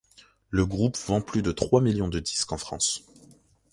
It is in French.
Le groupe vend plus de trois millions de disques en France.